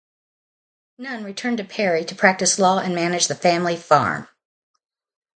Nunn returned to Perry to practice law and manage the family farm.